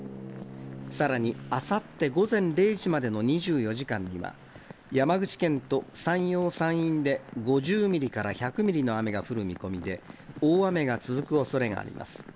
さらに、あさって午前０時までの２４時間には、山口県と山陽、山陰で、５０ミリから１００ミリの雨が降る見込みで、大雨が続くおそれがあります。